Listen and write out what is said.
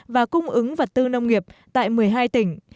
và cung ứng vật tư nông nghiệp tại một mươi hai tỉnh